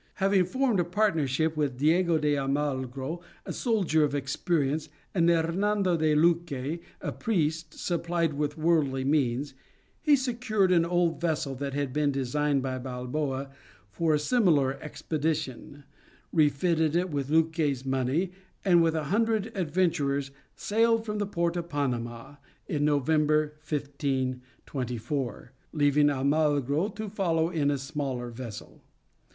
Having formed a partnership with Diego de Almagro, a soldier of experience, and Hernando de Luque, a priest supplied with worldly means, he secured an old vessel that had been designed by Balboa for a similar expedition, refitted it with Luque's money, and with a hundred adventurers sailed from the port of Panama in November, 1524; leaving Almagro to follow in a smaller vessel.